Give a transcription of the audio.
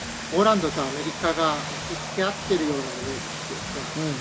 ポーランドとアメリカが押し付け合っているようなイメージですね。